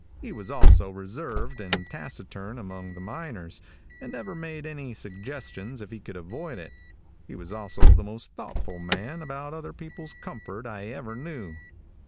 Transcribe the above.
He was also reserved and taciturn among the miners, and never made any suggestions if he could avoid it. He was also the most thoughtful man about other people's comfort I ever knew.